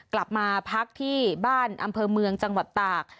กลับมาพักที่บ้านอำเภอเมืองจังหวัดตาก